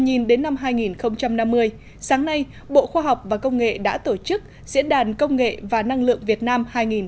nhìn đến năm hai nghìn năm mươi sáng nay bộ khoa học và công nghệ đã tổ chức diễn đàn công nghệ và năng lượng việt nam hai nghìn một mươi chín